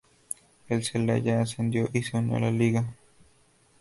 El Celaya ascendió y se unió a la liga.